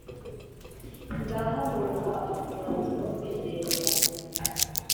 ngaho nuko afata umwanzuro wo kwigendera